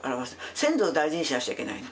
先祖を大事にしなくちゃいけないの。